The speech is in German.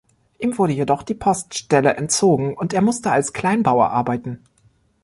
Ihm wurde jedoch die Poststelle entzogen und er musste als Kleinbauer arbeiten.